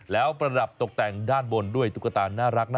แล้วประดับตกแต่งด้านบนด้วยตุ๊กตาน่ารักนะ